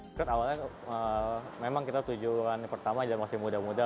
mungkin awalnya memang kita tujuan pertama adalah masih muda muda